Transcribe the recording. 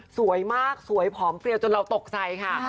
สวยมากสวยผอมเปรียวจนเราตกใจค่ะ